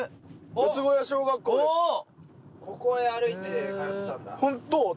ここへ歩いて通ってたんだ。